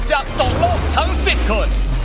จากสองโลกทั้งสิบคน